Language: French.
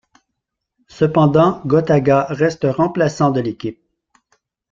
Cependant Gotaga reste remplaçant de l'équipe.